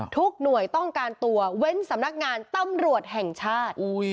ทุกหน่วยต้องการตัวเว้นสำนักงานตำรวจแห่งชาติ